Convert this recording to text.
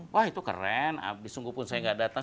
wah itu keren abis sungguhpun saya gak datang